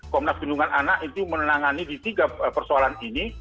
komnas perlindungan anak itu menangani di tiga persoalan ini